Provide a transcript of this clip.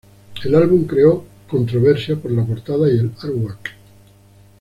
El álbum creó controversia por la portada y el "artwork".